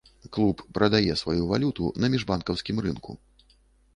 Клуб прадае сваю валюту на міжбанкаўскім рынку.